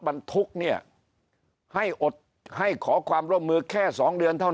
บรรทุกเนี่ยให้อดให้ขอความร่วมมือแค่๒เดือนเท่านั้น